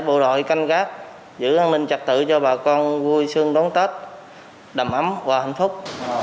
bộ đội canh gác giữ an ninh trật tự cho bà con vui sương đón tết đầm ấm và hạnh phúc